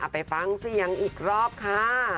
ไปฟังเสียงอีกรอบค่ะ